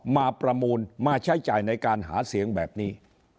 ประมูลมาใช้จ่ายในการหาเสียงแบบนี้